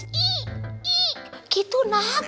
i i gitu dong